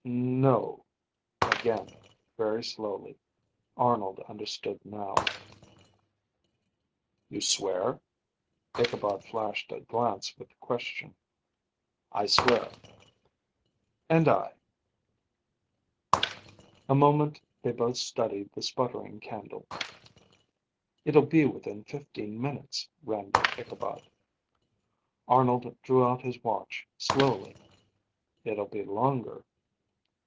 "No," again, very slowly. Arnold understood now. "You swear?" Ichabod flashed a glance with the question. "I swear." "And I." A moment they both studied the sputtering candle. "It'll be within fifteen minutes," randomed Ichabod. Arnold drew out his watch slowly. "It'll be longer."